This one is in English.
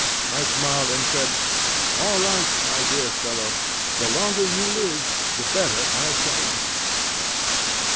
I smiled, and said: "All right, my dear fellow; the longer you live, the better I shall like it."